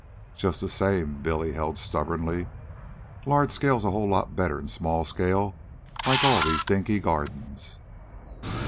"Just the same," Billy held stubbornly, "large scale's a whole lot better'n small scale like all these dinky gardens."